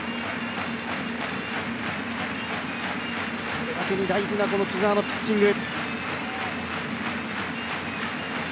それだけに大事な木澤のこのピッチング。